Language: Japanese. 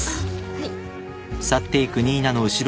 はい。